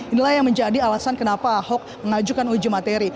inilah yang menjadi alasan kenapa ahok mengajukan uji materi